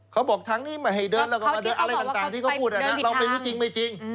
เขาบอกทางนี้ไม่ให้เดินแล้วก็มาเดินอะไรต่างที่เขาพูดเราไม่รู้จริงไม่จริง